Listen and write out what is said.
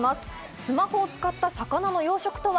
スマホを使った魚の養殖とは。